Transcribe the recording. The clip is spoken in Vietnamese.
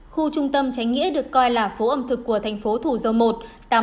khu trung tâm tránh nghĩa được coi là phố ẩm thực của thành phố thủ dầu một